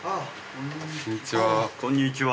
こんにちは。